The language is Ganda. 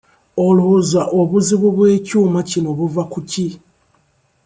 Olowooza obuzibu bw'ekyuma kino buva ku ki?